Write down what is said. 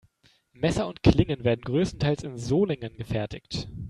Messer und Klingen werden größtenteils in Solingen gefertigt.